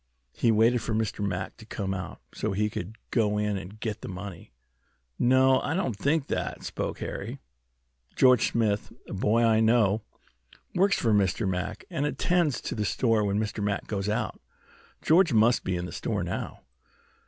He waited for Mr. Mack to come out, so he could go in and get the money." "No, I don't think that," spoke Harry. "George Smith, a boy I know, works for Mr. Mack, and attends to the store when Mr. Mack goes out. George must be in there now."